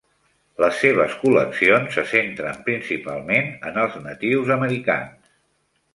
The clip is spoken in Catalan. Les seves col·leccions se centren principalment en els natius americans.